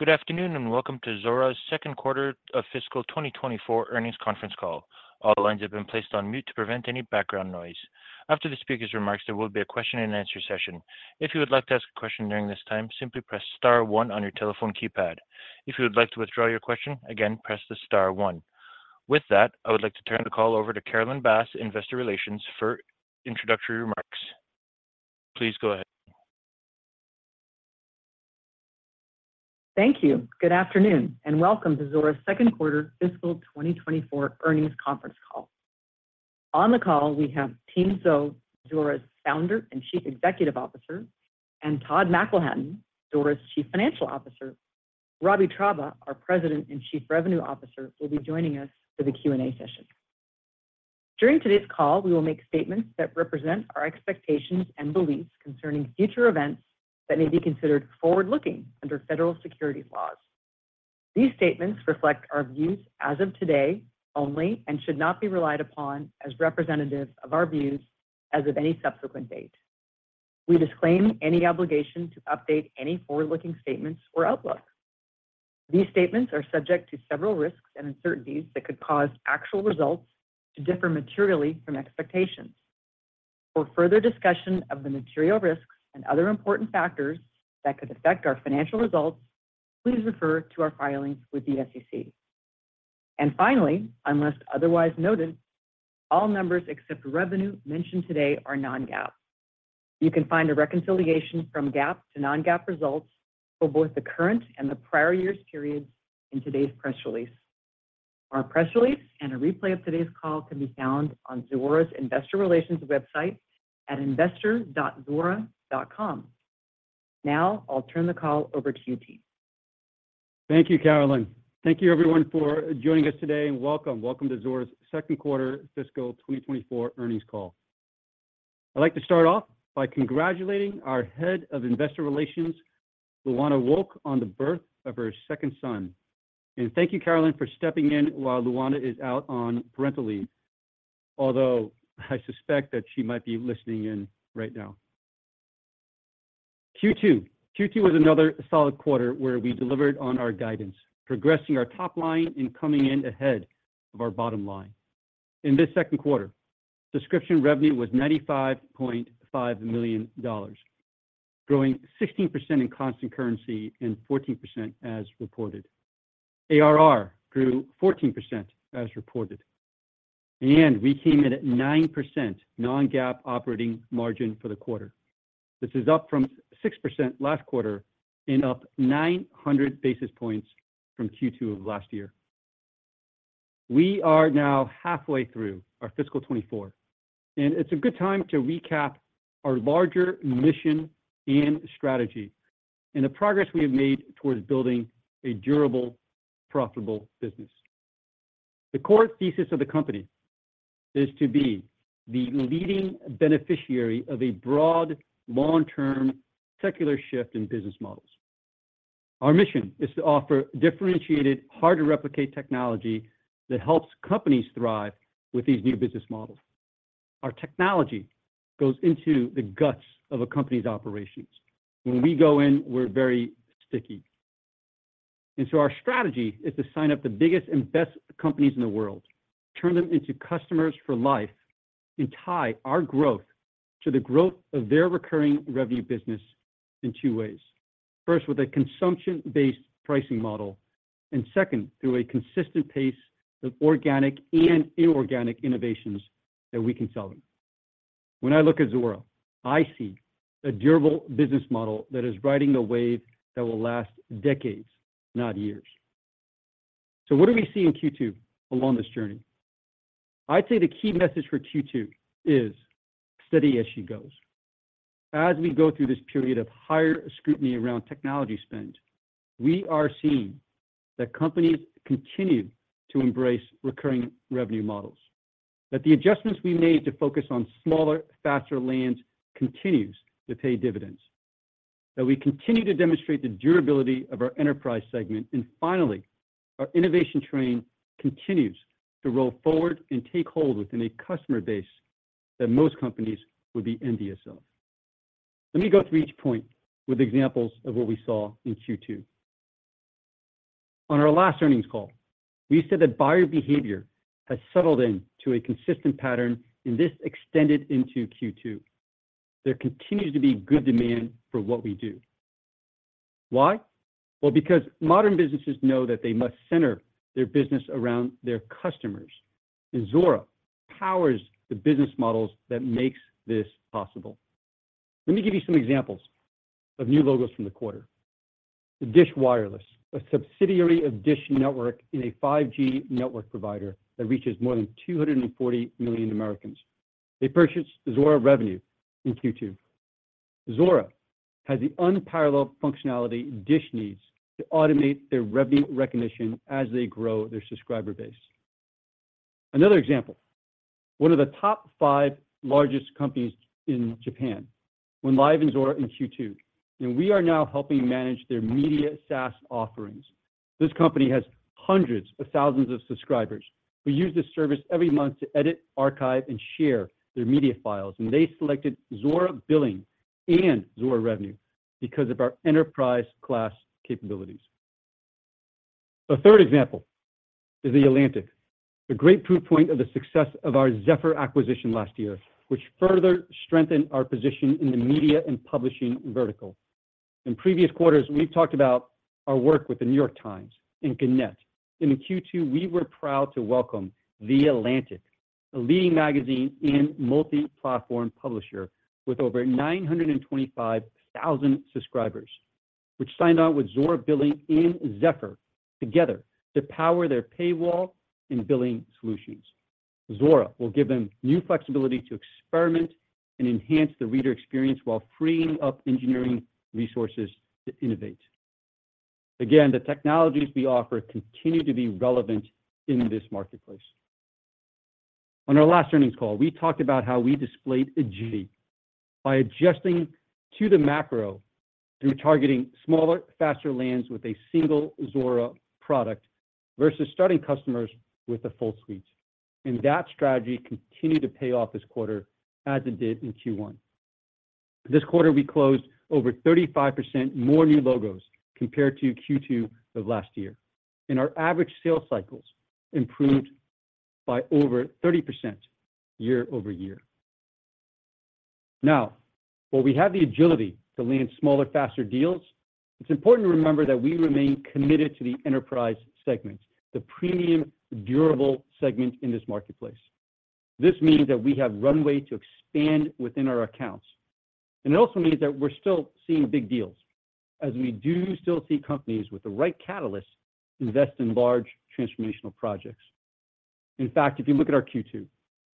Good afternoon, and welcome to Zuora's Second Quarter of Fiscal 2024 Earnings Conference Call. All lines have been placed on mute to prevent any background noise. After the speaker's remarks, there will be a question and answer session. If you would like to ask a question during this time, simply press star one on your telephone keypad. If you would like to withdraw your question, again, press the star one. With that, I would like to turn the call over to Carolyn Bass, Investor Relations, for introductory remarks. Please go ahead. Thank you. Good afternoon, and welcome to Zuora's second quarter fiscal 2024 earnings conference call. On the call, we have Tien, Zuora's Founder and Chief Executive Officer, and Todd McElhatton, Zuora's Chief Financial Officer. Robbie Traube, our President and Chief Revenue Officer, will be joining us for the Q&A session. During today's call, we will make statements that represent our expectations and beliefs concerning future events that may be considered forward-looking under federal securities laws. These statements reflect our views as of today only and should not be relied upon as representative of our views as of any subsequent date. We disclaim any obligation to update any forward-looking statements or outlook. These statements are subject to several risks and uncertainties that could cause actual results to differ materially from expectations. For further discussion of the material risks and other important factors that could affect our financial results, please refer to our filings with the SEC. Finally, unless otherwise noted, all numbers except revenue mentioned today are non-GAAP. You can find a reconciliation from GAAP to non-GAAP results for both the current and the prior year's periods in today's press release. Our press release and a replay of today's call can be found on Zuora's Investor Relations website at investor.zuora.com. Now, I'll turn the call over to you, Tien. Thank you, Carolyn. Thank you, everyone, for joining us today, welcome. Welcome to Zuora's second quarter fiscal 2024 earnings call. I'd like to start off by congratulating our Head of Investor Relations, Luana Wolk, on the birth of her second son. Thank you, Carolyn, for stepping in while Luana is out on parental leave. I suspect that she might be listening in right now. Q2. Q2 was another solid quarter where we delivered on our guidance, progressing our top line and coming in ahead of our bottom line. In this second quarter, subscription revenue was $95.5 million, growing 16% in constant currency and 14% as reported. ARR grew 14% as reported, we came in at 9% non-GAAP operating margin for the quarter. This is up from 6% last quarter and up 900 basis points from Q2 of last year. We are now halfway through our fiscal 2024, it's a good time to recap our larger mission and strategy and the progress we have made towards building a durable, profitable business. The core thesis of the company is to be the leading beneficiary of a broad, long-term, secular shift in business models. Our mission is to offer differentiated, hard-to-replicate technology that helps companies thrive with these new business models. Our technology goes into the guts of a company's operations. When we go in, we're very sticky. Our strategy is to sign up the biggest and best companies in the world, turn them into customers for life, and tie our growth to the growth of their recurring revenue business in two ways. First, with a consumption-based pricing model, and second, through a consistent pace of organic and inorganic innovations that we can sell them. When I look at Zuora, I see a durable business model that is riding a wave that will last decades, not years. What do we see in Q2 along this journey? I'd say the key message for Q2 is steady as she goes. As we go through this period of higher scrutiny around technology spend, we are seeing that companies continue to embrace recurring revenue models, that the adjustments we made to focus on smaller, faster lands continues to pay dividends, that we continue to demonstrate the durability of our enterprise segment, and finally, our innovation train continues to roll forward and take hold within a customer base that most companies would be envious of. Let me go through each point with examples of what we saw in Q2. On our last earnings call, we said that buyer behavior has settled in to a consistent pattern. This extended into Q2. There continues to be good demand for what we do. Why? Well, because modern businesses know that they must center their business around their customers, and Zuora powers the business models that makes this possible. Let me give you some examples of new logos from the quarter. The Dish Wireless, a subsidiary of Dish Network in a 5G network provider that reaches more than 240 million Americans. They purchased Zuora Revenue in Q2. Zuora has the unparalleled functionality Dish needs to automate their revenue recognition as they grow their subscriber base. Another example, one of the top five largest companies in Japan, went live in Zuora in Q2, and we are now helping manage their media SaaS offerings. This company has hundreds of thousands of subscribers who use this service every month to edit, archive, and share their media files, and they selected Zuora Billing and Zuora Revenue because of our enterprise-class capabilities. The third example is The Atlantic, a great proof point of the success of our Zephr acquisition last year, which further strengthened our position in the media and publishing vertical. In previous quarters, we've talked about our work with The New York Times and CNET. In Q2, we were proud to welcome The Atlantic, a leading magazine and multi-platform publisher with over 925,000 subscribers, which signed on with Zuora Billing and Zephr together to power their paywall and billing solutions. Zuora will give them new flexibility to experiment and enhance the reader experience while freeing up engineering resources to innovate. Again, the technologies we offer continue to be relevant in this marketplace. On our last earnings call, we talked about how we displayed agility by adjusting to the macro through targeting smaller, faster lands with a single Zuora product, versus starting customers with a full suite. That strategy continued to pay off this quarter as it did in Q1. This quarter, we closed over 35% more new logos compared to Q2 of last year, and our average sales cycles improved by over 30% year-over-year. Now, while we have the agility to land smaller, faster deals, it's important to remember that we remain committed to the enterprise segment, the premium, durable segment in this marketplace. This means that we have runway to expand within our accounts, and it also means that we're still seeing big deals, as we do still see companies with the right catalysts invest in large transformational projects. In fact, if you look at our Q2,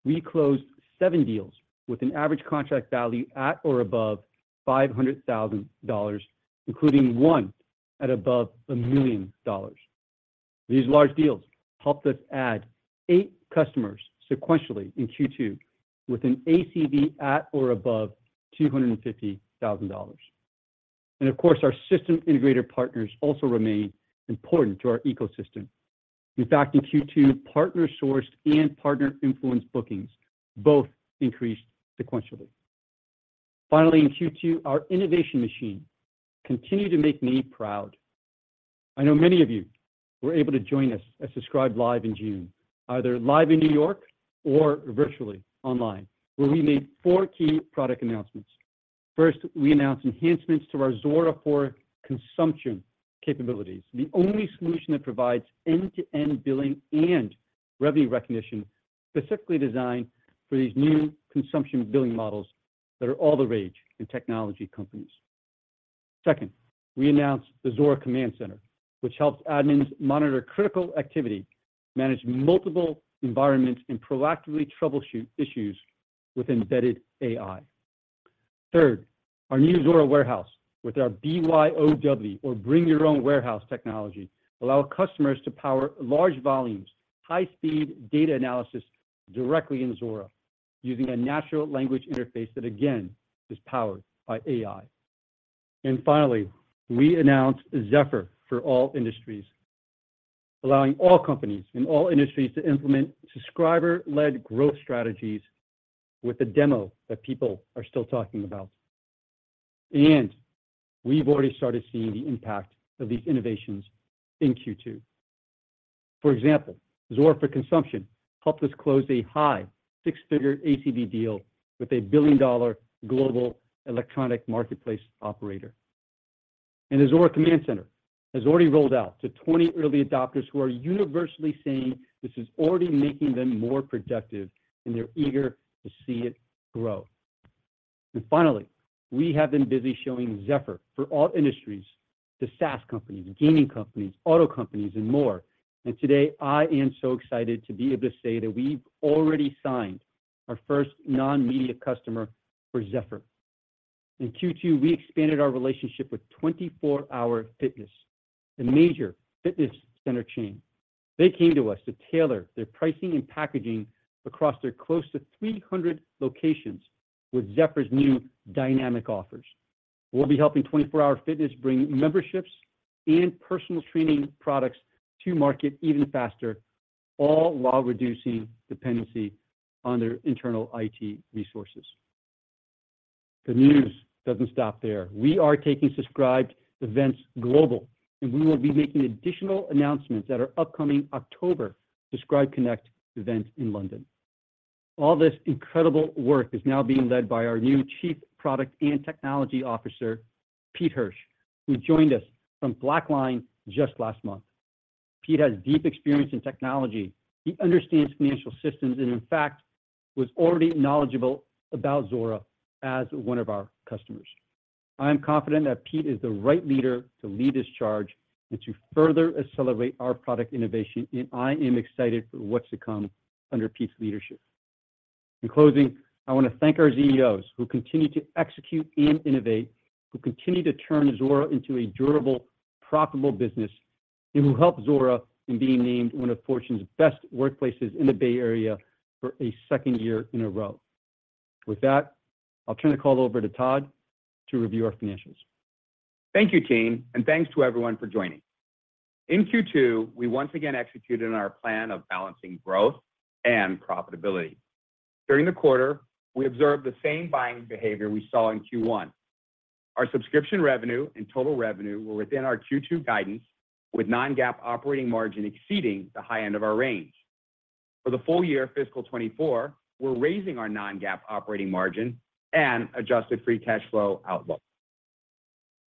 we closed seven deals with an average contract value at or above $500,000, including one at above $1 million. These large deals helped us add eight customers sequentially in Q2 with an ACV at or above $250,000. Of course, our system integrator partners also remain important to our ecosystem. In fact, in Q2, partner-sourced and partner-influenced bookings both increased sequentially. Finally, in Q2, our innovation machine continued to make me proud. I know many of you were able to join us at Subscribed Live in June, either live in New York or virtually online, where we made four key product announcements. First, we announced enhancements to our Zuora for Consumption capabilities, the only solution that provides end-to-end billing and revenue recognition, specifically designed for these new consumption billing models that are all the rage in technology companies. Second, we announced the Zuora Command Center, which helps admins monitor critical activity, manage multiple environments, and proactively troubleshoot issues with embedded AI. Third, our new Zuora Warehouse, with our BYOW, or Bring Your Own Warehouse technology, allow customers to power large volumes, high-speed data analysis directly in Zuora using a natural language interface that, again, is powered by AI. Finally, we announced Zephr for all Industries, allowing all companies in all industries to implement subscriber-led growth strategies with a demo that people are still talking about. We've already started seeing the impact of these innovations in Q2. For example, Zuora for Consumption helped us close a high six-figure ACV deal with a billion-dollar global electronic marketplace operator. The Zuora Command Center has already rolled out to 20 early adopters who are universally saying this is already making them more productive, and they're eager to see it grow. Finally, we have been busy showing Zephr for all Industries, to SaaS companies, gaming companies, auto companies, and more. Today, I am so excited to be able to say that we've already signed our first non-media customer for Zephr. In Q2, we expanded our relationship with 24 Hour Fitness, a major fitness center chain. They came to us to tailor their pricing and packaging across their close to 300 locations with Zephr's new dynamic offers. We'll be helping 24 Hour Fitness bring memberships and personal training products to market even faster, all while reducing dependency on their internal IT resources. The news doesn't stop there. We are taking Subscribed events global, we will be making additional announcements at our upcoming October Subscribed Connect event in London. All this incredible work is now being led by our new Chief Product and Technology Officer, Pete Hirsch, who joined us from BlackLine just last month. Pete has deep experience in technology. He understands financial systems, and in fact, was already knowledgeable about Zuora as one of our customers. I am confident that Pete is the right leader to lead this charge and to further accelerate our product innovation, and I am excited for what's to come under Pete's leadership. In closing, I want to thank our ZEOs, who continue to execute and innovate, who continue to turn Zuora into a durable, profitable business, and who helped Zuora in being named one of Fortune's best workplaces in the Bay Area for a second year in a row. With that, I'll turn the call over to Todd to review our financials. Thank you, team, and thanks to everyone for joining. In Q2, we once again executed on our plan of balancing growth and profitability. During the quarter, we observed the same buying behavior we saw in Q1. Our subscription revenue and total revenue were within our Q2 guidance, with non-GAAP operating margin exceeding the high end of our range. For the full year fiscal 2024, we're raising our non-GAAP operating margin and adjusted free cash flow outlook.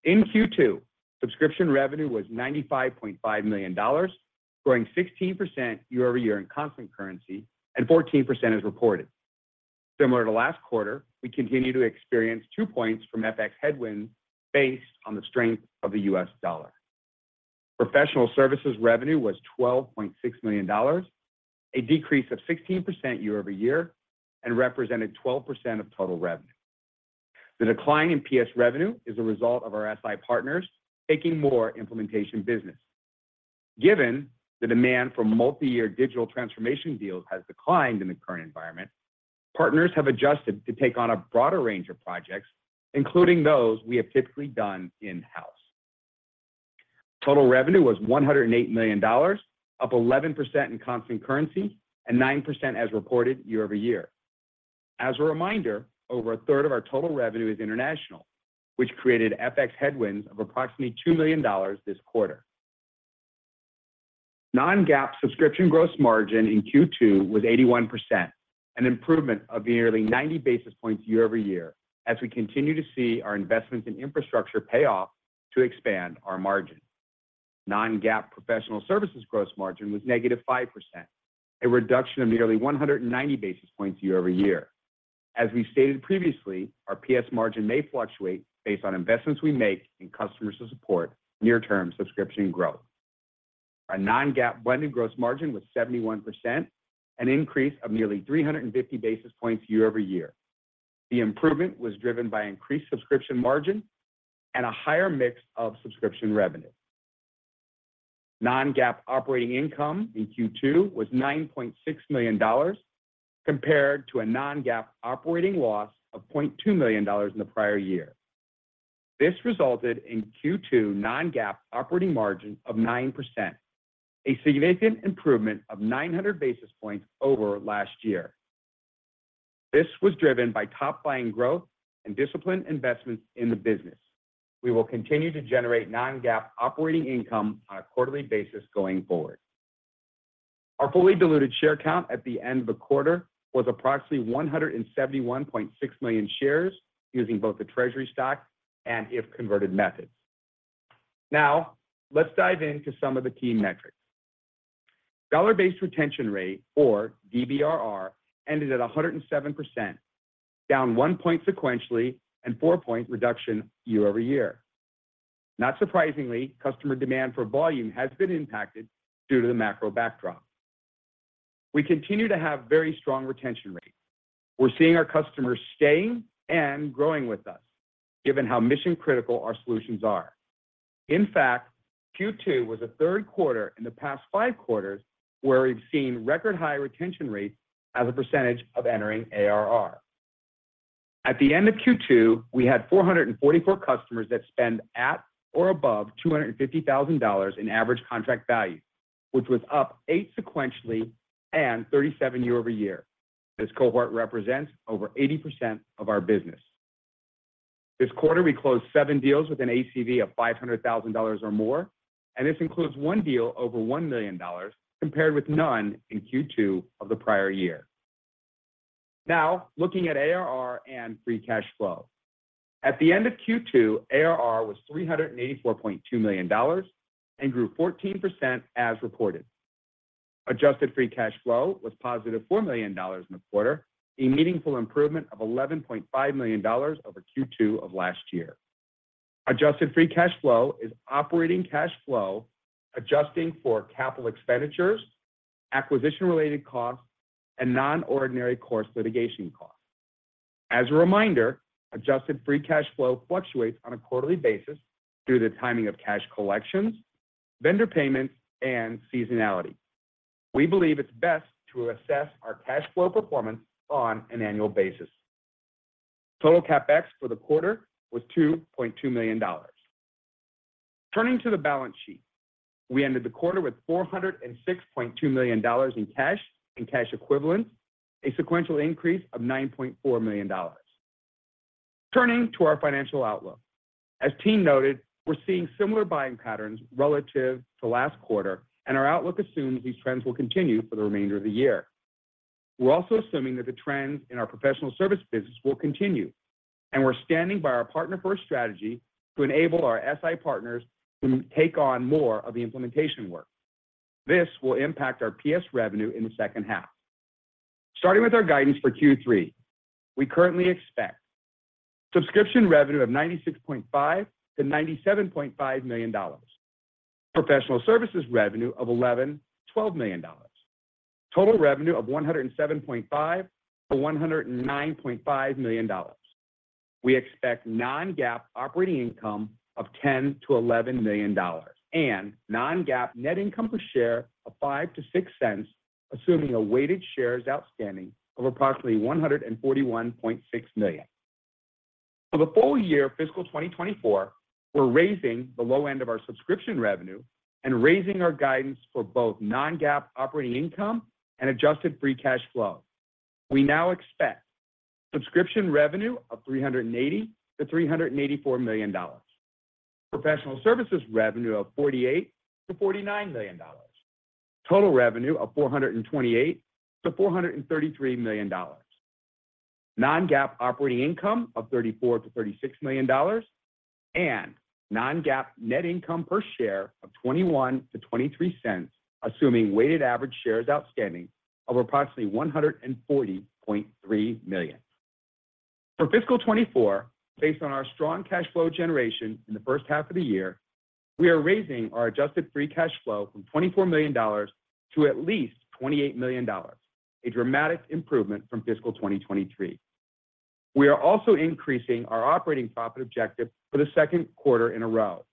In Q2, subscription revenue was $95.5 million, growing 16% year-over-year in constant currency and 14% as reported. Similar to last quarter, we continue to experience two points from FX headwinds based on the strength of the US dollar. Professional services revenue was $12.6 million, a decrease of 16% year-over-year, and represented 12% of total revenue. The decline in PS revenue is a result of our SI partners taking more implementation business. Given the demand for multi-year digital transformation deals has declined in the current environment, partners have adjusted to take on a broader range of projects, including those we have typically done in-house. Total revenue was $108 million, up 11% in constant currency and 9% as reported year-over-year. As a reminder, over a third of our total revenue is international, which created FX headwinds of approximately $2 million this quarter. Non-GAAP subscription gross margin in Q2 was 81%, an improvement of nearly 90 basis points year-over-year, as we continue to see our investments in infrastructure pay off to expand our margin. Non-GAAP professional services gross margin was negative 5%, a reduction of nearly 190 basis points year-over-year. As we stated previously, our PS margin may fluctuate based on investments we make in customers to support near-term subscription growth. Our non-GAAP blended gross margin was 71%, an increase of nearly 350 basis points year-over-year. The improvement was driven by increased subscription margin and a higher mix of subscription revenue. Non-GAAP operating income in Q2 was $9.6 million, compared to a non-GAAP operating loss of $0.2 million in the prior year. This resulted in Q2 non-GAAP operating margin of 9%, a significant improvement of 900 basis points over last year. This was driven by top-line growth and disciplined investments in the business. We will continue to generate non-GAAP operating income on a quarterly basis going forward. Our fully diluted share count at the end of the quarter was approximately 171.6 million shares, using both the treasury stock and if-converted methods. Let's dive into some of the key metrics. Dollar-based retention rate or DBRR ended at 107%, down one point sequentially and four-point reduction year-over-year. Not surprisingly, customer demand for volume has been impacted due to the macro backdrop. We continue to have very strong retention rates. We're seeing our customers staying and growing with us, given how mission-critical our solutions are. In fact, Q2 was the third quarter in the past five quarters where we've seen record high retention rates as a percentage of entering ARR. At the end of Q2, we had 444 customers that spend at or above $250,000 in average contract value, which was up eight sequentially and 37 year-over-year. This cohort represents over 80% of our business. This quarter, we closed seven deals with an ACV of $500,000 or more, this includes one deal over $1 million, compared with none in Q2 of the prior year. Looking at ARR and free cash flow. At the end of Q2, ARR was $384.2 million grew 14% as reported. Adjusted free cash flow was positive $4 million in the quarter, a meaningful improvement of $11.5 million over Q2 of last year. Adjusted free cash flow is operating cash flow, adjusting for capital expenditures, acquisition-related costs, and non-ordinary course litigation costs. As a reminder, adjusted free cash flow fluctuates on a quarterly basis due to the timing of cash collections, vendor payments, and seasonality. We believe it's best to assess our cash flow performance on an annual basis. Total CapEx for the quarter was $2.2 million. Turning to the balance sheet, we ended the quarter with $406.2 million in cash and cash equivalents, a sequential increase of $9.4 million. Turning to our financial outlook. As Tien noted, we're seeing similar buying patterns relative to last quarter, and our outlook assumes these trends will continue for the remainder of the year. We're also assuming that the trends in our professional services business will continue, and we're standing by our partner-first strategy to enable our SI partners to take on more of the implementation work. This will impact our PS revenue in the second half. Starting with our guidance for Q3, we currently expect subscription revenue of $96.5 million-$97.5 million, professional services revenue of $11 million-$12 million, total revenue of $107.5 million-$109.5 million. We expect non-GAAP operating income of $10 million-$11 million, and non-GAAP net income per share of $0.05-$0.06, assuming a weighted shares outstanding of approximately 141.6 million. For the full year fiscal 2024, we're raising the low end of our subscription revenue and raising our guidance for both non-GAAP operating income and adjusted free cash flow. We now expect subscription revenue of $380 million-$384 million, professional services revenue of $48 million-$49 million, total revenue of $428 million-$433 million, non-GAAP operating income of $34 million-$36 million, and non-GAAP net income per share of $0.21-$0.23, assuming weighted average shares outstanding of approximately 140.3 million. For fiscal 2024, based on our strong cash flow generation in the first half of the year, we are raising our adjusted free cash flow from $24 million to at least $28 million, a dramatic improvement from fiscal 2023. We are also increasing our operating profit objective for the second quarter in a row.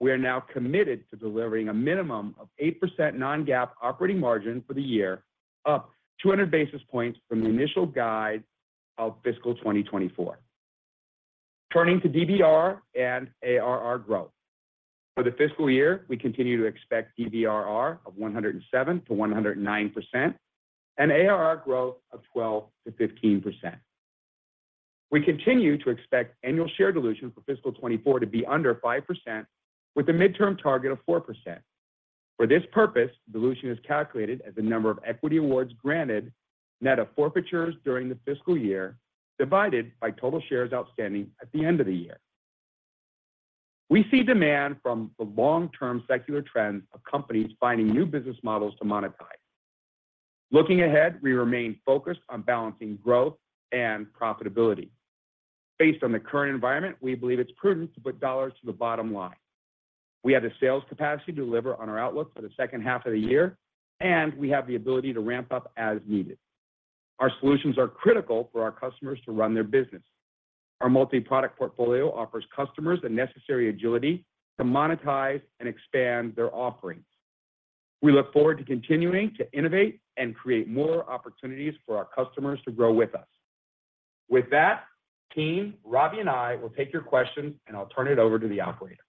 We are now committed to delivering a minimum of 8% non-GAAP operating margin for the year, up 200 basis points from the initial guide of fiscal 2024. Turning to DBRR and ARR growth. For the fiscal year, we continue to expect DBRR of 107%-109%, and ARR growth of 12%-15%. We continue to expect annual share dilution for fiscal 2024 to be under 5%, with a midterm target of 4%. For this purpose, dilution is calculated as the number of equity awards granted net of forfeitures during the fiscal year, divided by total shares outstanding at the end of the year. We see demand from the long-term secular trends of companies finding new business models to monetize. Looking ahead, we remain focused on balancing growth and profitability. Based on the current environment, we believe it's prudent to put dollars to the bottom line. We have the sales capacity to deliver on our outlook for the second half of the year, and we have the ability to ramp up as needed. Our solutions are critical for our customers to run their business. Our multi-product portfolio offers customers the necessary agility to monetize and expand their offerings. We look forward to continuing to innovate and create more opportunities for our customers to grow with us. With that, team, Robbie and I will take your questions, and I'll turn it over to the operator.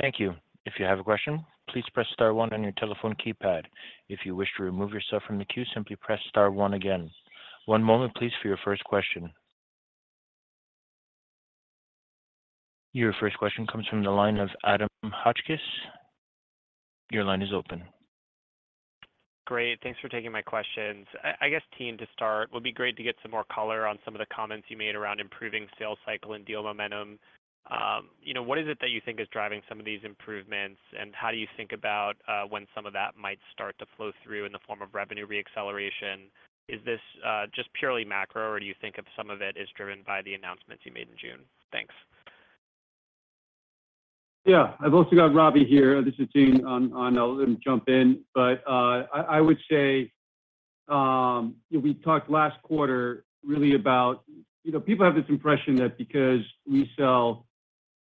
Thank you. If you have a question, please press star one on your telephone keypad. If you wish to remove yourself from the queue, simply press star one again. One moment please, for your first question. Your first question comes from the line of Adam Hotchkiss. Your line is open. Great, thanks for taking my questions. I, I guess, Team, to start, would be great to get some more color on some of the comments you made around improving sales cycle and deal momentum. You know, what is it that you think is driving some of these improvements, and how do you think about when some of that might start to flow through in the form of revenue re-acceleration? Is this just purely macro, or do you think of some of it as driven by the announcements you made in June? Thanks. Yeah. I've also got Robbie here. This is Tien on, on... I'll let him jump in. I, I would say, we talked last quarter really about, you know, people have this impression that because we sell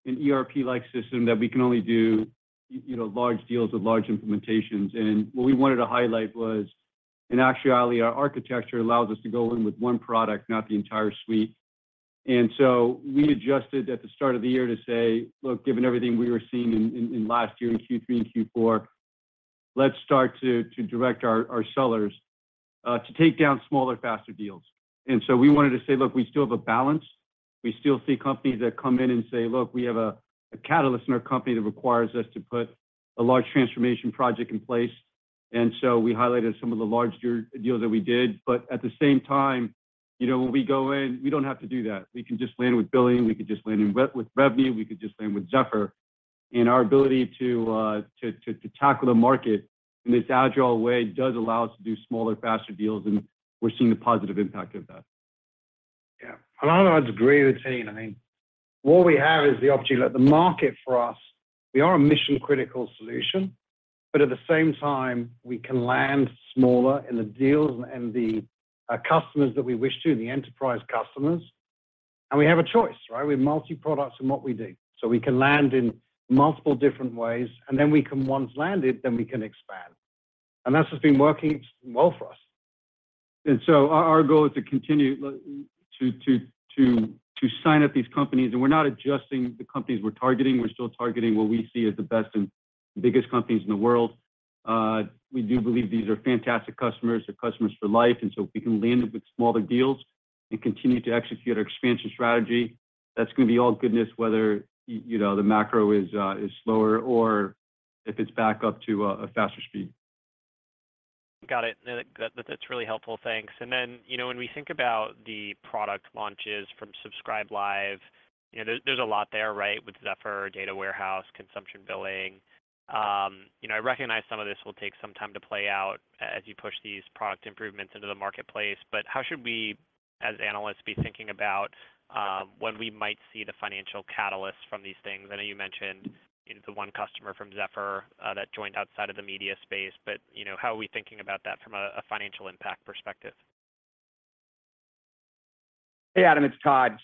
an ERP-like system, that we can only do you know, large deals with large implementations. What we wanted to highlight was, in actuality, our architecture allows us to go in with one product, not the entire suite. We adjusted at the start of the year to say, "Look, given everything we were seeing in, in, in last year, in Q3 and Q4, let's start to, to direct our, our sellers to take down smaller, faster deals." We wanted to say, look, we still have a balance. We still see companies that come in and say, "Look, we have a, a catalyst in our company that requires us to put a large transformation project in place." We highlighted some of the larger deals that we did. At the same time, you know, when we go in, we don't have to do that. We can just land with billing, we could just land with revenue, we could just land with Zephr. Our ability to tackle the market in this agile way does allow us to do smaller, faster deals, and we're seeing the positive impact of that. Yeah. I would agree with Tien. I mean, what we have is the opportunity. The market for us, we are a mission-critical solution, but at the same time, we can land smaller in the deals and the customers that we wish to, the enterprise customers. We have a choice, right? We have multi-products in what we do. We can land in multiple different ways, and then we can once landed, then we can expand. That's just been working well for us. Our goal is to continue to sign up these companies. We're not adjusting the companies we're targeting. We're still targeting what we see as the best and biggest companies in the world. We do believe these are fantastic customers, they're customers for life. If we can land them with smaller deals and continue to execute our expansion strategy, that's going to be all goodness, whether you know, the macro is slower or if it's back up to a faster speed. Got it. That, that's really helpful. Thanks. Then, you know, when we think about the product launches from Subscribed Live, you know, there's, there's a lot there, right? With Zephr, Data Warehouse, Consumption Billing. You know, I recognize some of this will take some time to play out as you push these product improvements into the marketplace. How should we, as analysts, be thinking about, when we might see the financial catalyst from these things? I know you mentioned- The one customer from Zephr that joined outside of the media space. You know, how are we thinking about that from a financial impact perspective? Hey, Adam, it's Todd.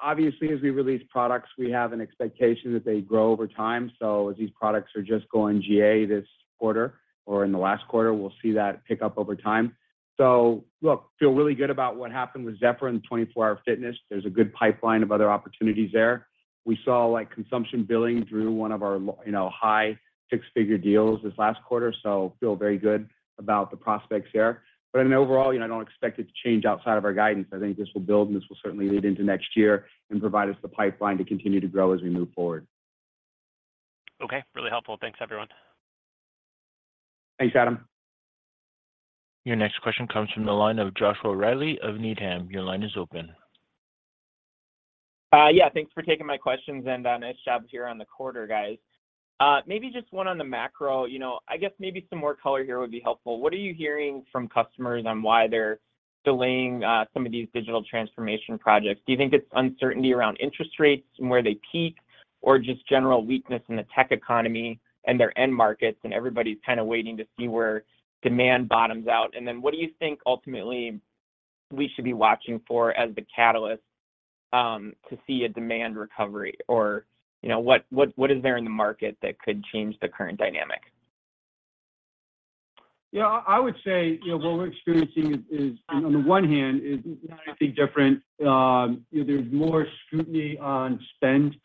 Obviously, as we release products, we have an expectation that they grow over time. As these products are just going GA this quarter or in the last quarter, we'll see that pick up over time. Look, feel really good about what happened with Zephr and 24 Hour Fitness. There's a good pipeline of other opportunities there. We saw, like, consumption billing through one of our, you know, high six-figure deals this last quarter, so feel very good about the prospects there. Overall, you know, I don't expect it to change outside of our guidance. I think this will build, and this will certainly lead into next year and provide us the pipeline to continue to grow as we move forward. Okay, really helpful. Thanks, everyone. Thanks, Adam. Your next question comes from the line of Joshua Reilly of Needham. Your line is open. Yeah, thanks for taking my questions, and nice job here on the quarter, guys. Maybe just one on the macro. You know, I guess maybe some more color here would be helpful. What are you hearing from customers on why they're delaying some of these digital transformation projects? Do you think it's uncertainty around interest rates and where they peak, or just general weakness in the tech economy and their end markets, and everybody's kind of waiting to see where demand bottoms out? Then what do you think ultimately we should be watching for as the catalyst to see a demand recovery? You know, what, what, what is there in the market that could change the current dynamic? Yeah, I would say, you know, what we're experiencing is, is on the one hand, is not anything different. There's more scrutiny on spend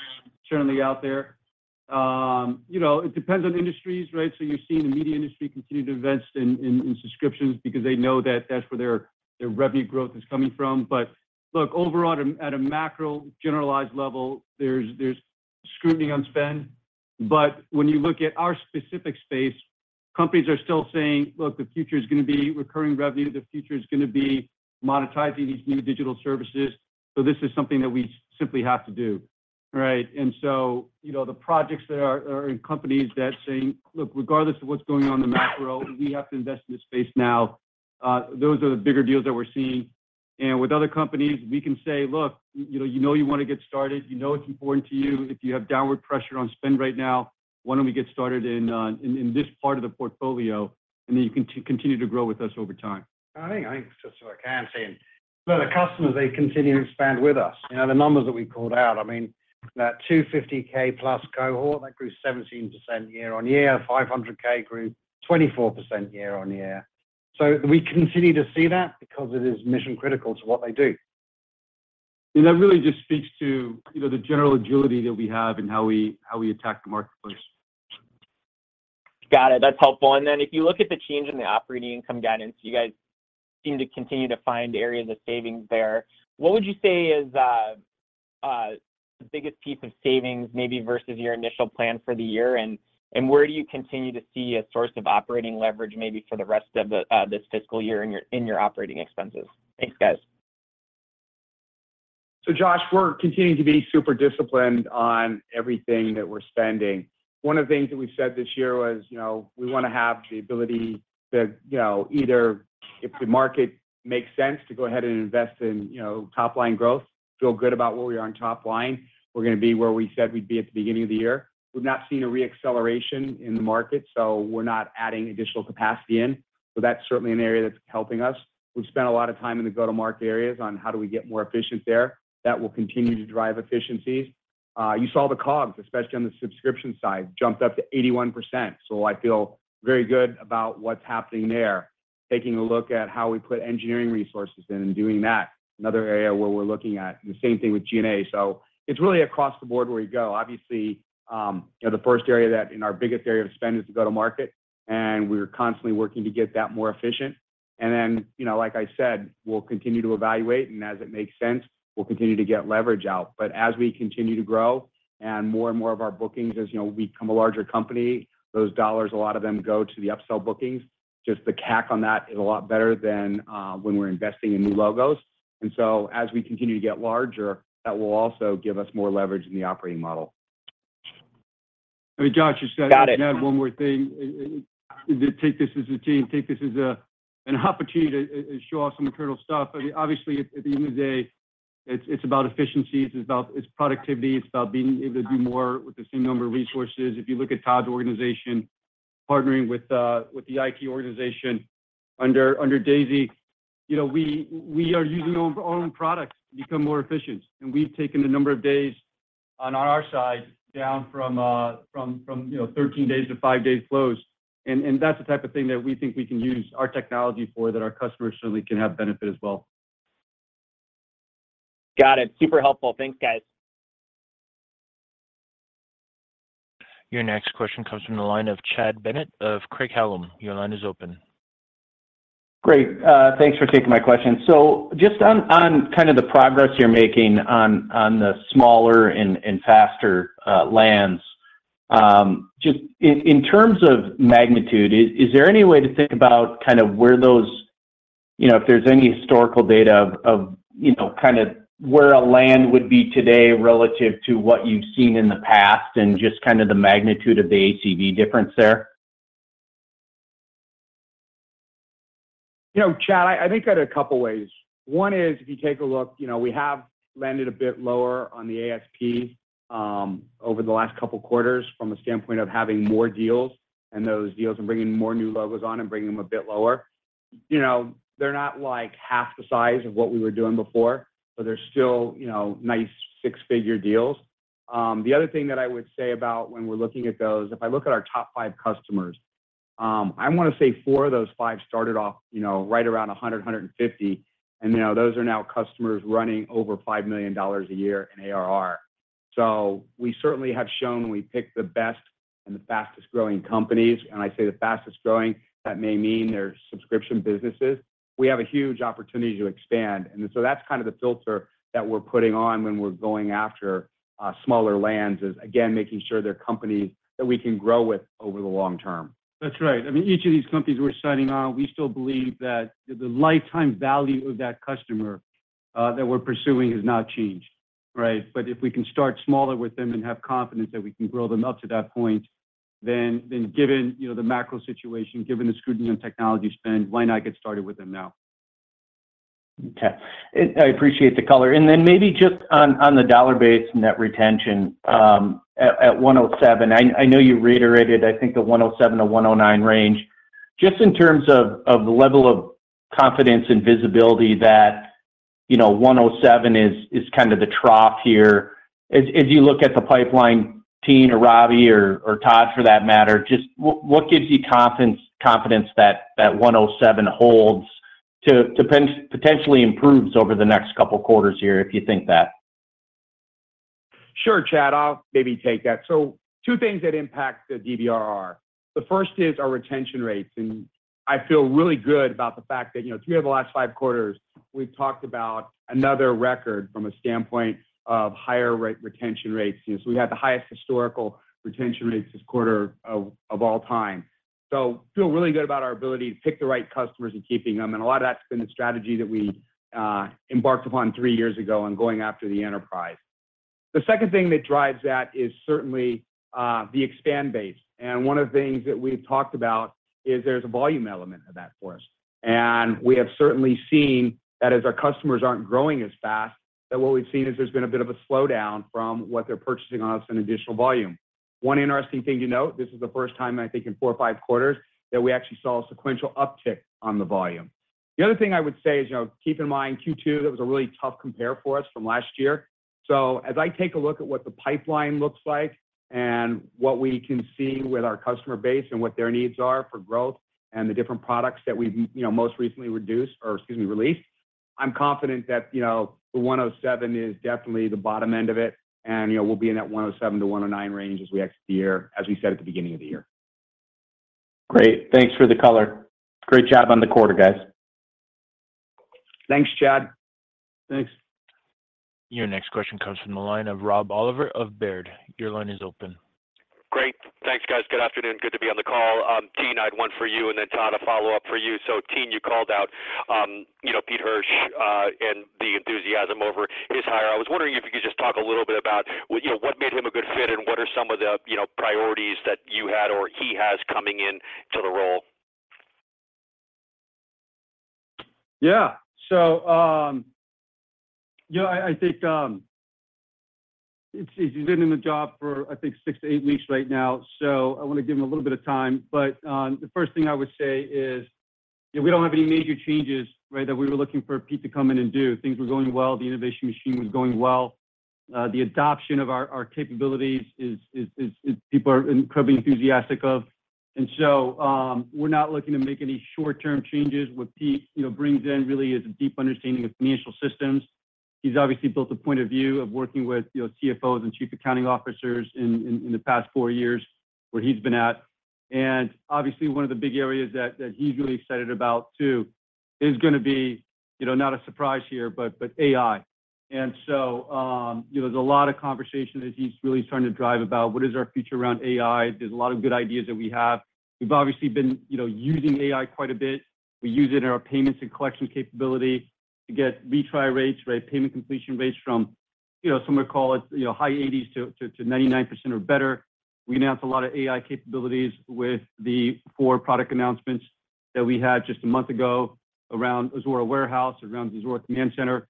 certainly out there. You know, it depends on industries, right? You're seeing the media industry continue to invest in, in, in subscriptions because they know that that's where their, their revenue growth is coming from. Look, overall, at a, at a macro, generalized level, there's, there's scrutiny on spend. When you look at our specific space, companies are still saying, "Look, the future is gonna be recurring revenue. The future is gonna be monetizing these new digital services. This is something that we simply have to do," right? You know, the projects that are, are in companies that saying, "Look, regardless of what's going on in the macro, we have to invest in this space now," those are the bigger deals that we're seeing. With other companies, we can say, "Look, you know, you know you want to get started. You know it's important to you. If you have downward pressure on spend right now, why don't we get started in this part of the portfolio, and then you can continue to grow with us over time? I think, just so I can see. The customers, they continue to expand with us. You know, the numbers that we called out, I mean, that $250,000+ cohort, that grew 17% year-over-year, $500,000+ grew 24% year-over-year. We continue to see that because it is mission critical to what they do. That really just speaks to, you know, the general agility that we have and how we, how we attack the marketplace. Got it. That's helpful. If you look at the change in the operating income guidance, you guys seem to continue to find areas of savings there. What would you say is the biggest piece of savings maybe versus your initial plan for the year, and where do you continue to see a source of operating leverage, maybe for the rest of the this fiscal year in your, in your operating expenses? Thanks, guys. Josh, we're continuing to be super disciplined on everything that we're spending. One of the things that we said this year was, you know, we wanna have the ability to, you know, either if the market makes sense, to go ahead and invest in, you know, top-line growth, feel good about where we are on top line. We're gonna be where we said we'd be at the beginning of the year. We've not seen a re-acceleration in the market, so we're not adding additional capacity in. That's certainly an area that's helping us. We've spent a lot of time in the go-to-market areas on how do we get more efficient there. That will continue to drive efficiencies. You saw the COGS, especially on the subscription side, jumped up to 81%, so I feel very good about what's happening there. Taking a look at how we put engineering resources in and doing that, another area where we're looking at, the same thing with G&A. It's really across the board where you go. Obviously, you know, the first area that and our biggest area of spend is to go to market, and we're constantly working to get that more efficient. Then, you know, like I said, we'll continue to evaluate, and as it makes sense, we'll continue to get leverage out. As we continue to grow and more and more of our bookings, as you know, we become a larger company, those dollars, a lot of them go to the upsell bookings. Just the CAC on that is a lot better than when we're investing in new logos. As we continue to get larger, that will also give us more leverage in the operating model. I mean, Josh. Got it. Add one more thing. Take this as a team, take this as an opportunity to show off some internal stuff. Obviously, at the end of the day, it's, it's about efficiencies, it's about... It's productivity, it's about being able to do more with the same number of resources. If you look at Todd's organization, partnering with the IT organization under Daisy, you know, we, we are using our own products to become more efficient, and we've taken the number of days on our side down from, you know, 13 days to five days flows. That's the type of thing that we think we can use our technology for, that our customers certainly can have benefit as well. Got it. Super helpful. Thanks, guys. Your next question comes from the line of Chad Bennett of Craig-Hallum. Your line is open. Great, thanks for taking my question. Just on, on kind of the progress you're making on, on the smaller and, and faster, lands, just in, in terms of magnitude, is there any way to think about kind of where those You know, if there's any historical data of, of, you know, kind of where a land would be today relative to what you've seen in the past and just kind of the magnitude of the ACV difference there? You know, Chad, I, I think at it a couple of ways. One is, if you take a look, you know, we have landed a bit lower on the ASP, over the last couple of quarters from a standpoint of having more deals, and those deals are bringing more new logos on and bringing them a bit lower. You know, they're not like half the size of what we were doing before, but they're still, you know, nice six-figure deals. The other thing that I would say about when we're looking at those, if I look at our top five customers, I want to say four of those five started off, you know, right around $100-$150, and now those are now customers running over $5 million a year in ARR. We certainly have shown we pick the best and the fastest-growing companies, and I say the fastest-growing, that may mean they're subscription businesses. We have a huge opportunity to expand, and so that's kind of the filter that we're putting on when we're going after smaller lands, is again, making sure they're companies that we can grow with over the long term. That's right. I mean, each of these companies we're signing on, we still believe that the lifetime value of that customer, that we're pursuing has not changed, right? If we can start smaller with them and have confidence that we can grow them up to that point, then, then given, you know, the macro situation, given the scrutiny on technology spend, why not get started with them now? Okay, I appreciate the color. Then maybe just on, on the dollar-based net retention, at, at 107. I, I know you reiterated, I think, the 107-109 range. Just in terms of, of the level of confidence and visibility that, you know, 107 is, is kind of the trough here. As, as you look at the pipeline, Tien or Robbie or, or Todd, for that matter, just what, what gives you confidence, confidence that, that 107 holds to, to potentially improves over the next couple of quarters here, if you think that? Sure, Chad, I'll maybe take that. Two things that impact the DBRR. The first is our retention rates, and I feel really good about the fact that, you know, three of the last five quarters, we've talked about another record from a standpoint of higher rate retention rates. We had the highest historical retention rates this quarter of all time. I feel really good about our ability to pick the right customers and keeping them. A lot of that's been a strategy that we embarked upon three years ago and going after the enterprise. The second thing that drives that is certainly the expand base. One of the things that we've talked about is there's a volume element of that for us. We have certainly seen that as our customers aren't growing as fast, that what we've seen is there's been a bit of a slowdown from what they're purchasing on us in additional volume. One interesting thing to note, this is the first time, I think, in four or five quarters, that we actually saw a sequential uptick on the volume. The other thing I would say is, you know, keep in mind, Q2, that was a really tough compare for us from last year. As I take a look at what the pipeline looks like and what we can see with our customer base and what their needs are for growth and the different products that we've, you know, most recently reduced, or excuse me, released, I'm confident that, you know, the 107 is definitely the bottom end of it, and, you know, we'll be in that 107-109 range as we exit the year, as we said at the beginning of the year. Great. Thanks for the color. Great job on the quarter, guys. Thanks, Chad. Thanks. Your next question comes from the line of Rob Oliver of Baird. Your line is open. Great. Thanks, guys. Good afternoon. Good to be on the call. Tien, I had one for you, and then Todd, a follow-up for you. Tien, you called out, you know, Pete Hirsch, and the enthusiasm over his hire. I was wondering if you could just talk a little bit about what, you know, what made him a good fit and what are some of the, you know, priorities that you had or he has coming in to the role? You know, I, I think, he's, he's been in the job for, I think, six to eight weeks right now, so I want to give him a little bit of time. The first thing I would say is, we don't have any major changes, right, that we were looking for Pete to come in and do. Things were going well, the innovation machine was going well. The adoption of our, our capabilities is people are incredibly enthusiastic of. We're not looking to make any short-term changes. What Pete, you know, brings in really is a deep understanding of financial systems. He's obviously built a point of view of working with, you know, CFOs and Chief Accounting Officers in the past four years where he's been at. Obviously, one of the big areas that, that he's really excited about, too, is gonna be, you know, not a surprise here, but, but AI. So, you know, there's a lot of conversation that he's really starting to drive about what is our future around AI. There's a lot of good ideas that we have. We've obviously been, you know, using AI quite a bit. We use it in our payments and collection capability to get retry rates, right, payment completion rates from, you know, some would call it, you know, high 80s to 99% or better. We announced a lot of AI capabilities with the four product announcements that we had just a month ago around Zuora Warehouse, around Zuora Command Center.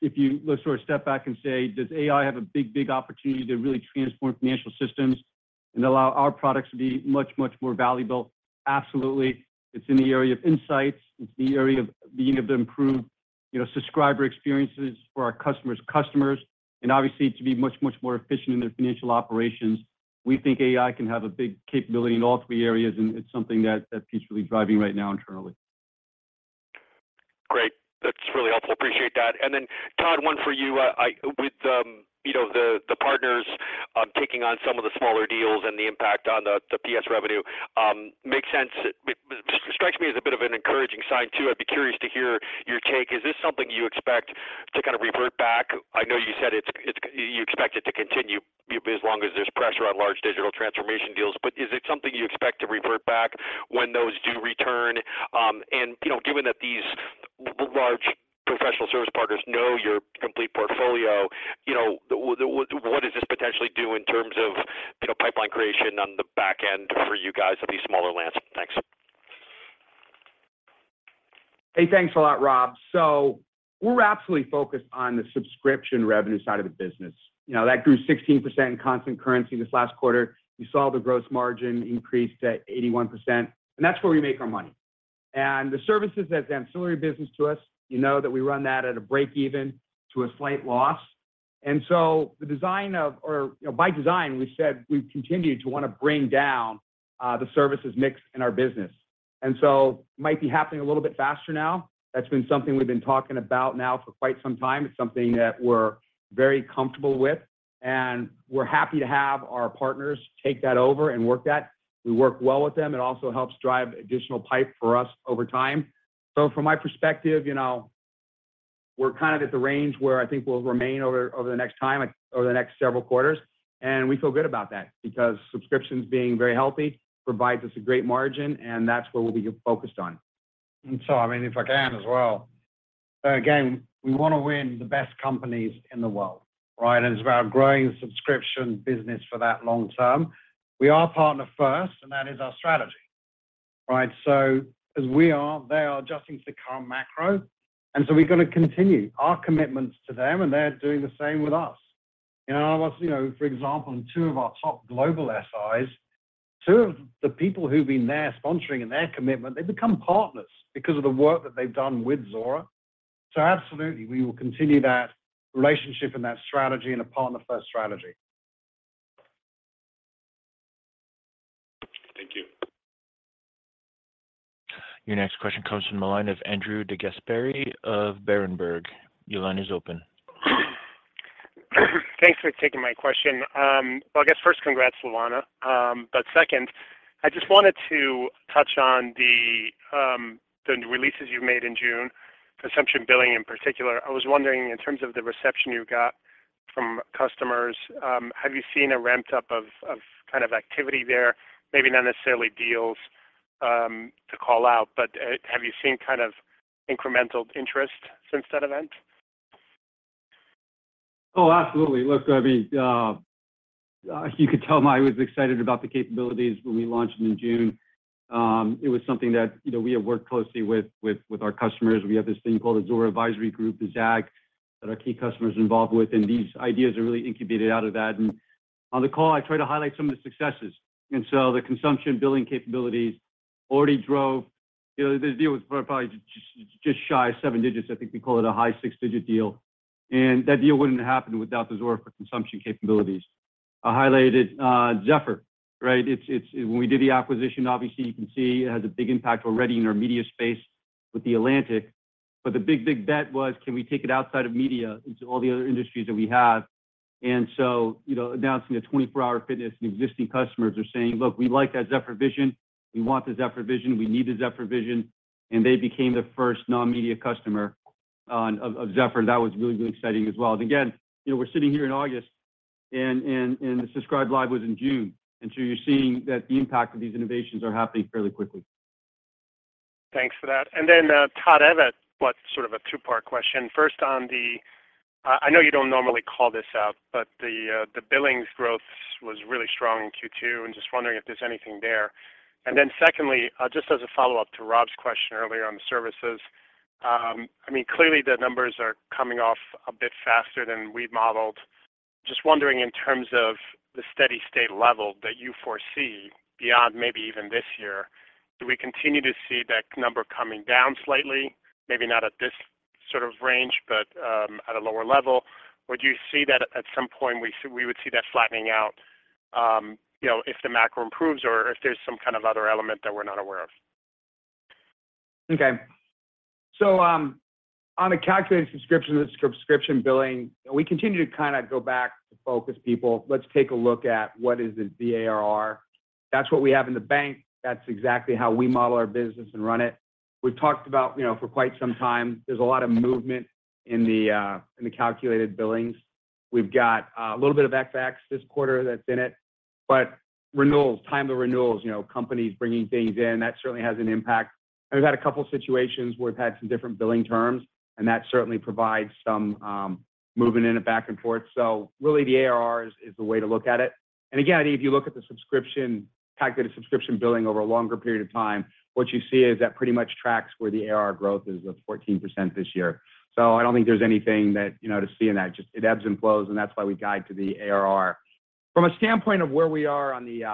If you look sort of step back and say: Does AI have a big, big opportunity to really transform financial systems and allow our products to be much, much more valuable? Absolutely. It's in the area of insights, it's the area of being able to improve, you know, subscriber experiences for our customers' customers, and obviously, to be much, much more efficient in their financial operations. We think AI can have a big capability in all three areas, and it's something that, that Pete's really driving right now internally. Great. That's really helpful. Appreciate that. Then, Todd, one for you. With, you know, the partners, taking on some of the smaller deals and the impact on the PS revenue, makes sense. It strikes me as a bit of an encouraging sign, too. I'd be curious to hear your take. Is this something you expect to kind of revert back? I know you said it's, you expect it to continue as long as there's pressure on large digital transformation deals, but is it something you expect to revert back when those do return? You know, given that these large professional service partners know your complete portfolio, you know, what does this potentially do in terms of pipeline creation on the back end for you guys of these smaller lands? Thanks. Hey, thanks a lot, Rob. We're absolutely focused on the subscription revenue side of the business. You know, that grew 16% in constant currency this last quarter. We saw the gross margin increase to 81%, and that's where we make our money. The services, that's ancillary business to us, you know that we run that at a break even to a slight loss. The design of or, you know, by design, we said we've continued to want to bring down the services mix in our business. Might be happening a little bit faster now. That's been something we've been talking about now for quite some time. It's something that we're very comfortable with, and we're happy to have our partners take that over and work that. We work well with them. It also helps drive additional pipe for us over time. From my perspective, you know, we're kind of at the range where I think we'll remain over, over the next time, over the next several quarters, and we feel good about that because subscriptions being very healthy provides us a great margin, and that's where we'll be focused on. I mean, if I can as well. Again, we want to win the best companies in the world, right? It's about growing the subscription business for that long term. We are partner first, and that is our strategy, right? As we are, they are adjusting to the current macro, and so we're going to continue our commitments to them, and they're doing the same with us. You know, you know, for example, in two of our top global SIs, two of the people who've been there sponsoring and their commitment, they've become partners because of the work that they've done with Zuora. Absolutely, we will continue that relationship and that strategy and a partner-first strategy. Thank you. Your next question comes from the line of Andrew DeGasperi of Berenberg. Your line is open. Thanks for taking my question. Well, I guess first, congrats, Zuora. Second, I just wanted to touch on the, the releases you made in June, consumption billing in particular. I was wondering, in terms of the reception you got from customers, have you seen a ramped up of, of kind of activity there? Maybe not necessarily deals, to call out, but, have you seen kind of incremental interest since that event? Oh, absolutely. Look, I mean, you could tell I was excited about the capabilities when we launched in June. It was something that, you know, we have worked closely with our customers. We have this thing called the Zuora Advisory Group, the ZAG, that our key customers are involved with, these ideas are really incubated out of that. On the call, I try to highlight some of the successes. The consumption billing capabilities already drove, you know, the deal was probably just, just shy of seven digits. I think we call it a high six-digit deal, that deal wouldn't have happened without the Zuora for Consumption capabilities. I highlighted Zephr, right? When we did the acquisition, obviously, you can see it has a big impact already in our media space with The Atlantic. The big, big bet was, can we take it outside of media into all the other industries that we have? And so, you know, announcing a 24 Hour Fitness, the existing customers are saying, "Look, we like that Zephr vision. We want the Zephr vision. We need the Zephr vision." And they became the first non-media customer on, of, of Zephr. That was really, really exciting as well. And again, you know, we're sitting here in August, and, and, and the Subscribed Live was in June. So you're seeing that the impact of these innovations are happening fairly quickly. Thanks for that. Then, Todd Elhatt, what sort of a two-part question? First, I know you don't normally call this out, but the billings growth was really strong in Q2, and just wondering if there's anything there? Then secondly, just as a follow-up to Rob's question earlier on the services, I mean, clearly the numbers are coming off a bit faster than we've modeled. Just wondering, in terms of the steady state level that you foresee beyond maybe even this year, do we continue to see that number coming down slightly, maybe not at this sort of range, but at a lower level? Would you see that at some point, we see, we would see that flattening out, you know, if the macro improves or if there's some kind of other element that we're not aware of? Okay. on a calculated subscription, subscription billing, we continue to kinda go back to focus people. Let's take a look at what is the ARR. That's what we have in the bank. That's exactly how we model our business and run it. We've talked about, you know, for quite some time, there's a lot of movement in the, in the calculated billings. We've got a little bit of FX this quarter that's in it, but renewals, time to renewals, you know, companies bringing things in, that certainly has an impact. We've had a couple of situations where we've had some different billing terms, and that certainly provides some movement in it back and forth. Really, the ARR is, is the way to look at it. Again, if you look at the subscription, calculated subscription billing over a longer period of time, what you see is that pretty much tracks where the ARR growth is of 14% this year. I don't think there's anything that, you know, to see in that. Just it ebbs and flows, and that's why we guide to the ARR. From a standpoint of where we are on the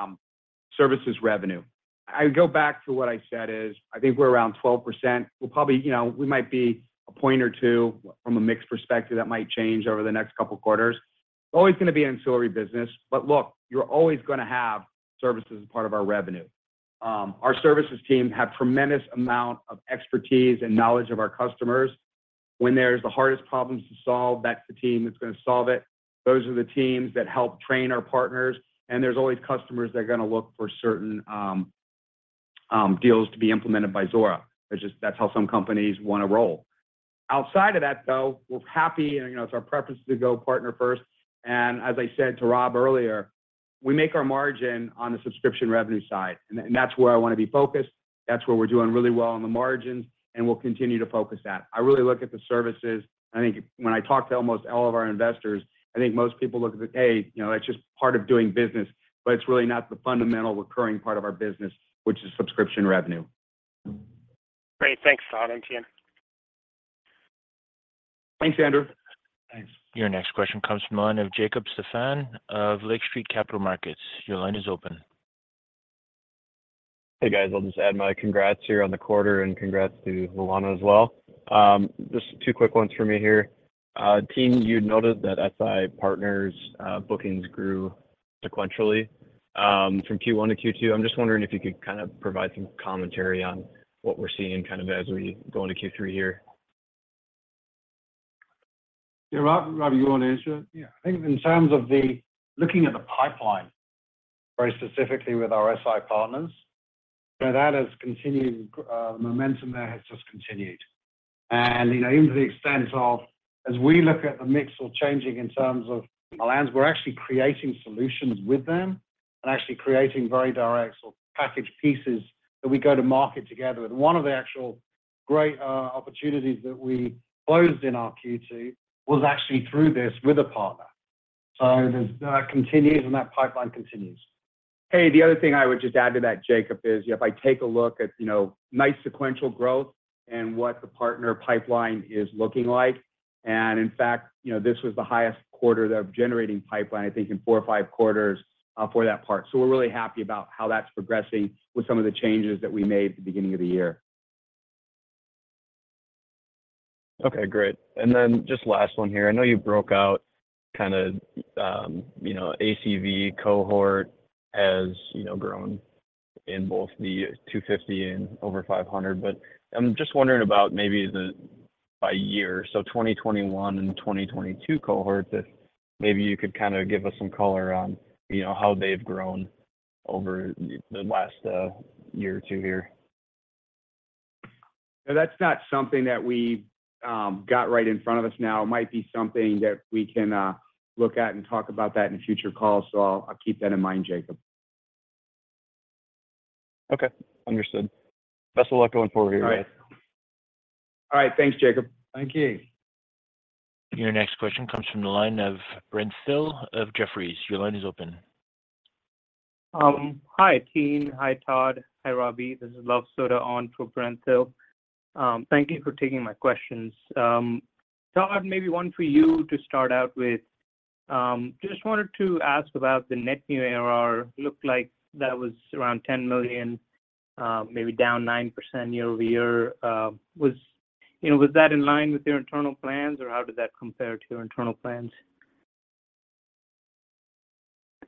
services revenue, I go back to what I said is, I think we're around 12%. We'll probably, you know, we might be a point or two from a mix perspective, that might change over the next couple of quarters. Always going to be an ancillary business, look, you're always gonna have services as part of our revenue. Our services team have tremendous amount of expertise and knowledge of our customers. When there's the hardest problems to solve, that's the team that's gonna solve it. Those are the teams that help train our partners, and there's always customers that are gonna look for certain deals to be implemented by Zuora. That's just, that's how some companies want to roll. Outside of that, though, we're happy, and, you know, it's our preference to go partner first. As I said to Rob earlier, we make our margin on the subscription revenue side, and that's where I want to be focused. That's where we're doing really well on the margins, and we'll continue to focus that. I really look at the services. I think when I talk to almost all of our investors, I think most people look at the, hey, you know, that's just part of doing business, but it's really not the fundamental recurring part of our business, which is subscription revenue. Great. Thanks, Todd and team. Thanks, Andrew. Thanks. Your next question comes from the line of Jacob Stephan of Lake Street Capital Markets. Your line is open. Hey, guys, I'll just add my congrats here on the quarter, and congrats to Luana as well. Just two quick ones for me here. Team, you noted that SI partners, bookings grew sequentially, from Q1 to Q2. I'm just wondering if you could kind of provide some commentary on what we're seeing kind of as we go into Q3 here. Yeah, Rob, Robbie, you want to answer it? Yeah. I think in terms of the looking at the pipeline, very specifically with our SI partners, that has continued, the momentum there has just continued. You know, even to the extent of, as we look at the mix or changing in terms of lands, we're actually creating solutions with them, and actually creating very direct sort of package pieces that we go to market together. One of the actual great opportunities that we closed in our Q2 was actually through this with a partner. That continues, and that pipeline continues. Hey, the other thing I would just add to that, Jacob, is, if I take a look at, you know, nice sequential growth and what the partner pipeline is looking like, and in fact, you know, this was the highest quarter of generating pipeline, I think, in four or five quarters for that part. We're really happy about how that's progressing with some of the changes that we made at the beginning of the year. Okay, great. Then just last one here. I know you broke out kind of, you know, ACV cohort has, you know, grown in both the 250 and over 500, but I'm just wondering about maybe the by year, so 2021 and 2022 cohorts, if maybe you could kind of give us some color on, you know, how they've grown over the last, year or two here. That's not something that we got right in front of us now. It might be something that we can look at and talk about that in a future call, so I'll, I'll keep that in mind, Jacob. Okay, understood. Best of luck going forward here, guys. All right. Thanks, Jacob. Thank you. Your next question comes from the line of Brent Thill of Jefferies. Your line is open. Hi, team. Hi, Todd. Hi, Robbie. This is Luv Sodha on for Brent Thill. Thank you for taking my questions. Todd, maybe one for you to start out with. Just wanted to ask about the net new ARR, looked like that was around $10 million, maybe down 9% year-over-year. Was, you know, was that in line with your internal plans, or how did that compare to your internal plans?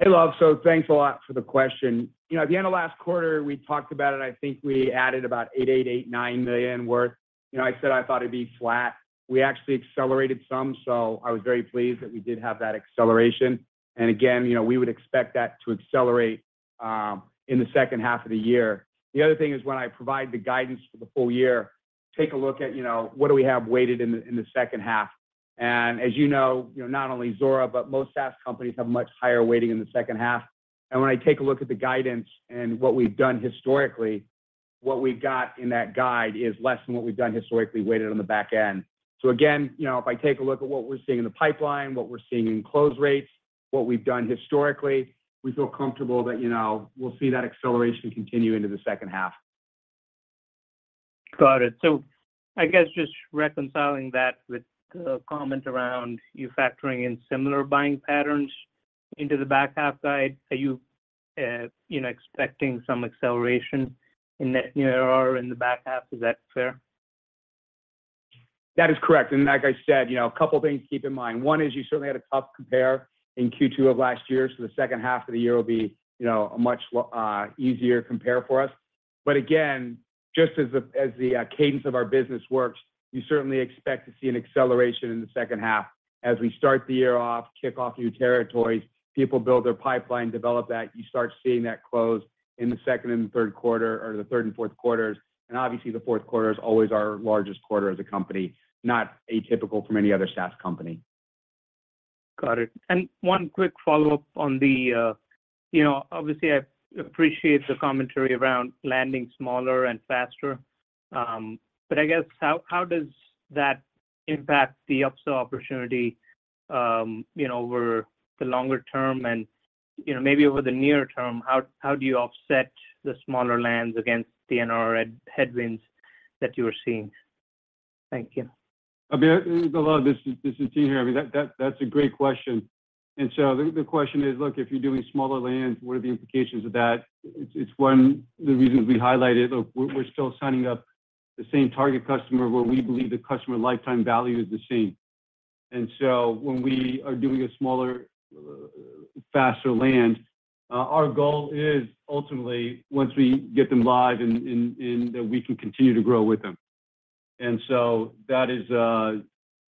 Hey, Luv. Thanks a lot for the question. You know, at the end of last quarter, we talked about it. I think we added about $8, $8, $8, $9 million worth. You know, I said I thought it'd be flat. We actually accelerated some, so I was very pleased that we did have that acceleration. Again, you know, we would expect that to accelerate in the second half of the year. The other thing is when I provide the guidance for the full year, take a look at, you know, what do we have weighted in the, in the second half. As you know, you know, not only Zuora, but most SaaS companies have much higher weighting in the second half. When I take a look at the guidance and what we've done historically, what we've got in that guide is less than what we've done historically, weighted on the back end. Again, you know, if I take a look at what we're seeing in the pipeline, what we're seeing in close rates, what we've done historically, we feel comfortable that, you know, we'll see that acceleration continue into the second half. Got it. I guess just reconciling that with the comment around you factoring in similar buying patterns into the back half guide, are you, you know, expecting some acceleration in net new ARR in the back half? Is that fair? That is correct. Like I said, a couple things to keep in mind. One is you certainly had a tough compare in Q2 of last year, so the second half of the year will be a much easier compare for us. Again, just as the, as the cadence of our business works, you certainly expect to see an acceleration in the second half. As we start the year off, kick off new territories, people build their pipeline, develop that, you start seeing that close in the second and the third quarter, or the third and fourth quarters. Obviously, the fourth quarter is always our largest quarter as a company, not atypical from any other SaaS company. Got it. One quick follow-up on the, you know, obviously, I appreciate the commentary around landing smaller and faster. I guess, how, how does that impact the upsell opportunity, you know, over the longer term and, you know, maybe over the near term, how, how do you offset the smaller lands against the NRR headwinds that you were seeing? Thank you. Okay, Luv, this is Tien here. I mean, that's a great question. The question is, look, if you're doing smaller lands, what are the implications of that? It's one of the reasons we highlighted. Look, we're still signing up the same target customer, where we believe the customer lifetime value is the same. When we are doing a smaller, faster land, our goal is ultimately, once we get them live, in that we can continue to grow with them. That is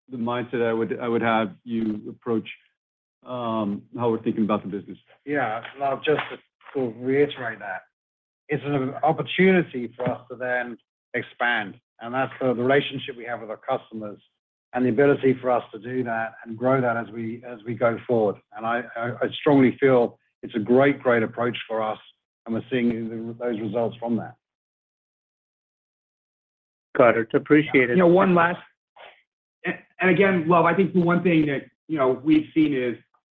the mindset I would have you approach, how we're thinking about the business. Yeah. Luv, just to reiterate that, it's an opportunity for us to then expand, and that's the relationship we have with our customers and the ability for us to do that and grow that as we go forward. I strongly feel it's a great, great approach for us, and we're seeing those results from that. Got it. Appreciate it. You know, one last. Again, well, I think the one thing that, you know, we've seen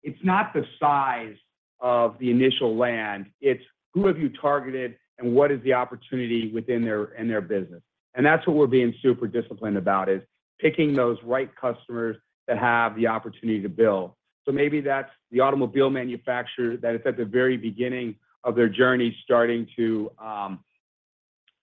is it's not the size of the initial land, it's who have you targeted, and what is the opportunity within their, in their business? That's what we're being super disciplined about, is picking those right customers that have the opportunity to build. Maybe that's the automobile manufacturer that is at the very beginning of their journey, starting to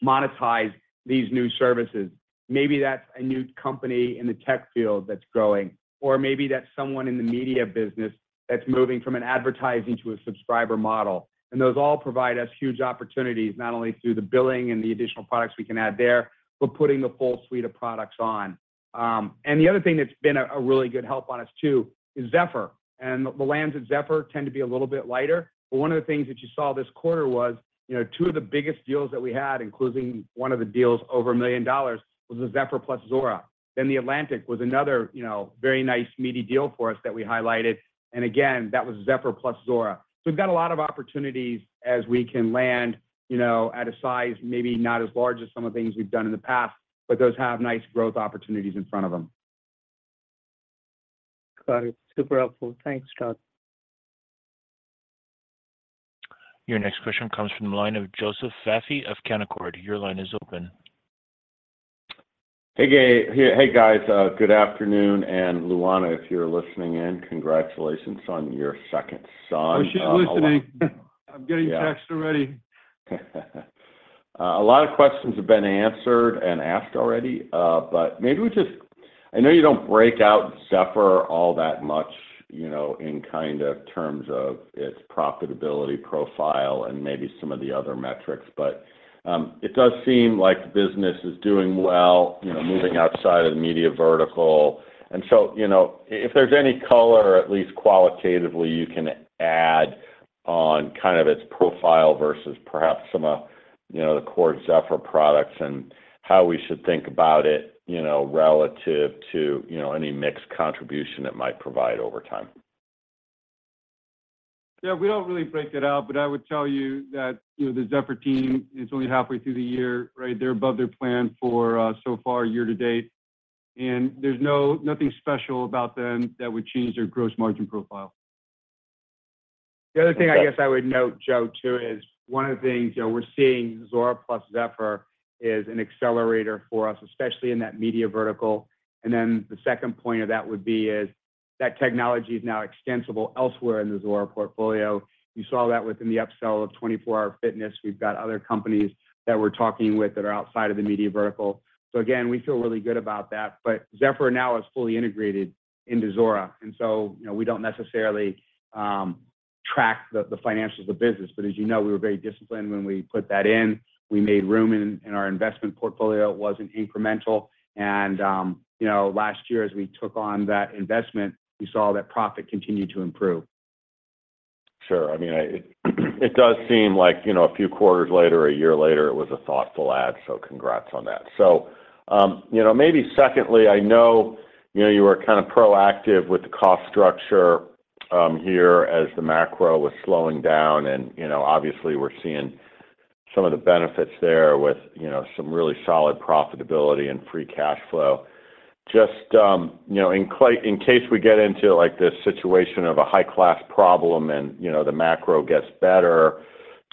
monetize these new services. Maybe that's a new company in the tech field that's growing, or maybe that's someone in the media business that's moving from an advertising to a subscriber model. Those all provide us huge opportunities, not only through the billing and the additional products we can add there, but putting the full suite of products on. The other thing that's been a, a really good help on us, too, is Zephr. The lands at Zephr tend to be a little bit lighter. One of the things that you saw this quarter was, you know, two of the biggest deals that we had, including one of the deals over $1 million, was the Zephr plus Zuora. The Atlantic was another, you know, very nice, meaty deal for us that we highlighted, and again, that was Zephr plus Zuora. We've got a lot of opportunities as we can land, you know, at a size, maybe not as large as some of the things we've done in the past, but those have nice growth opportunities in front of them. Got it. Super helpful. Thanks, Todd. Your next question comes from the line of Joseph Vafi of Canaccord Genuity. Your line is open. Hey, gang- hey, guys, good afternoon, and Luana, if you're listening in, congratulations on your second son. Oh, she's listening. I'm getting texts already. A lot of questions have been answered and asked already, but maybe we just... I know you don't break out Zephr all that much, you know, in kind of terms of its profitability profile and maybe some of the other metrics, but it does seem like business is doing well, you know, moving outside of the media vertical. You know, if there's any color, at least qualitatively, you can add on kind of its profile versus perhaps some of, you know, the core Zephr products, and how we should think about it, you know, relative to, you know, any mixed contribution it might provide over time. Yeah, we don't really break it out. I would tell you that, you know, the Zephr team is only halfway through the year, right? They're above their plan for so far year to date. There's nothing special about them that would change their gross margin profile. The other thing I guess I would note, Joe, too, is one of the things, you know, we're seeing Zuora plus Zephr is an accelerator for us, especially in that media vertical. Then the second point of that would be is that technology is now extensible elsewhere in the Zuora portfolio. You saw that within the upsell of 24 Hour Fitness. We've got other companies that we're talking with that are outside of the media vertical. Again, we feel really good about that, but Zephr now is fully integrated into Zuora, so, you know, we don't necessarily track the financials of business. As you know, we were very disciplined when we put that in. We made room in our investment portfolio. It wasn't incremental. You know, last year, as we took on that investment, we saw that profit continued to improve. Sure. I mean, it does seem like, you know, a few quarters later, a year later, it was a thoughtful ad, so congrats on that. Maybe secondly, I know, you know, you were kind of proactive with the cost structure here as the macro was slowing down, and, you know, obviously, we're seeing some of the benefits there with, you know, some really solid profitability and free cash flow. Just, you know, in case we get into, like, this situation of a high-class problem and, you know, the macro gets better,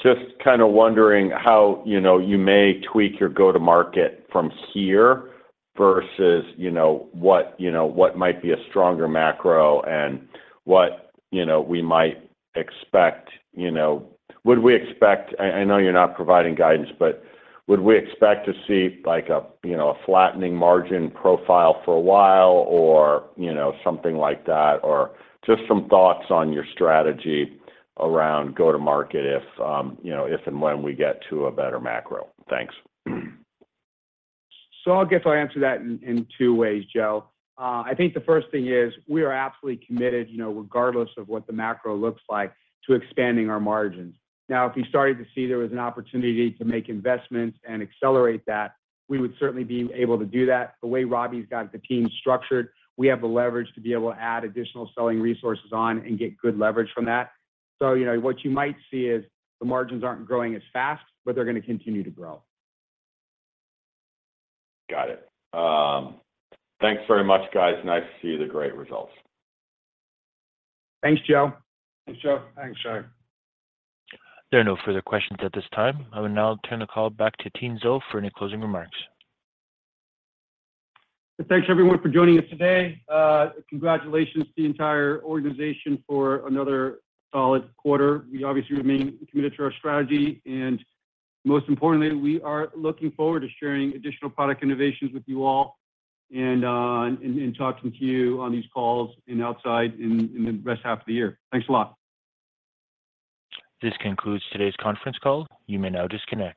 just kind of wondering how, you know, you may tweak your go-to market from here versus, you know, what, you know, what might be a stronger macro and what, you know, we might expect, you know... Would we expect, I know you're not providing guidance, but would we expect to see like a, you know, a flattening margin profile for a while or, you know, something like that? Or just some thoughts on your strategy around go-to market if, you know, if and when we get to a better macro. Thanks. I guess I'll answer that in, in two ways, Joe. I think the first thing is, we are absolutely committed, you know, regardless of what the macro looks like, to expanding our margins. Now, if we started to see there was an opportunity to make investments and accelerate that, we would certainly be able to do that. The way Robbie's got the team structured, we have the leverage to be able to add additional selling resources on and get good leverage from that. You know, what you might see is the margins aren't growing as fast, but they're gonna continue to grow. Got it. Thanks very much, guys. Nice to see the great results. Thanks, Joe. Thanks, Joe. There are no further questions at this time. I will now turn the call back to Tien for any closing remarks. Thanks, everyone, for joining us today. Congratulations to the entire organization for another solid quarter. We obviously remain committed to our strategy, and most importantly, we are looking forward to sharing additional product innovations with you all and, and, and talking to you on these calls in outside in, in the rest half of the year. Thanks a lot. This concludes today's conference call. You may now disconnect.